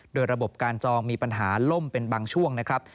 โดยระบบการจองมีปัญหาล่มเป็นบางช่วงนะครับ